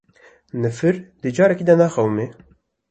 Nifir di carekî de naqewime